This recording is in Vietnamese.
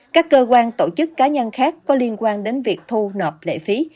các cơ quan tổ chức cá nhân khác có liên quan đến việc thu nộp lệ phí